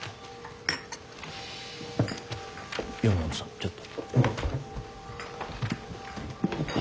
山本さんちょっと。